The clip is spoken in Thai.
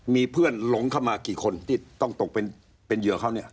มีเพื่อนหลงเข้ามากี่คนที่ต้องตกเป็นเหยื่อเขาเนี่ย